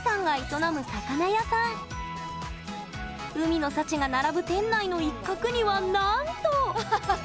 海の幸が並ぶ店内の一角にはなんと！